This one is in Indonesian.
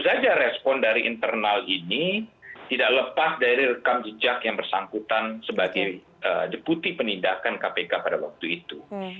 tentu saja respon dari internal ini tidak lepas dari rekam jejak yang bersangkutan sebagai deputi penindakan kpk pada waktu itu